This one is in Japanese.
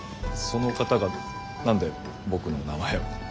その方が何で僕の名前を。